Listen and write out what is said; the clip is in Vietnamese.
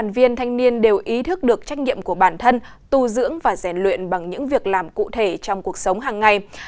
đoàn viên thanh niên đều ý thức được trách nhiệm của bản thân tu dưỡng và rèn luyện bằng những việc làm cụ thể trong cuộc sống hàng ngày